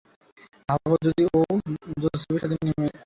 ভাবো যদি ও জোসেফের সাথে নেমে আসে।